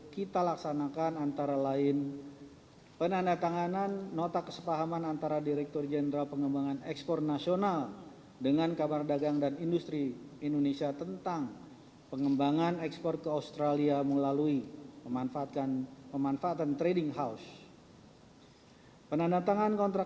di sini juga bisa diberikan sumber keuntungan